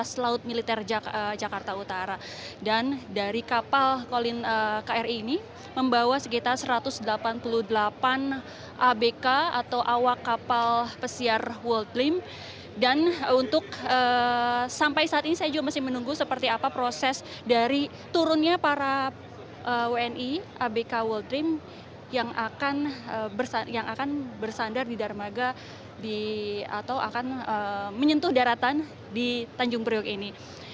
saya juga masih menunggu proses dari turunnya para wni abk world dream yang akan bersandar di dermaga atau akan menyentuh daratan di tanjung priok ini